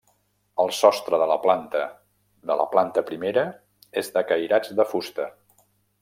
El sostre de la planta de la planta primera és de cairats de fusta.